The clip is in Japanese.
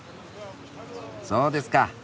そうですか。